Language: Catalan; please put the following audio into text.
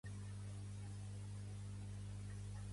Per què el pollastre creuar la carretera?